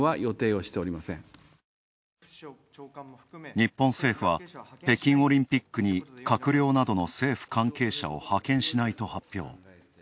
日本政府は、北京オリンピックに閣僚などの政府関係者を派遣しないと発表。